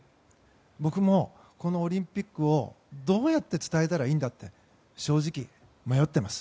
僕も、このオリンピックをどうやって伝えたらいいんだって正直、迷ってます。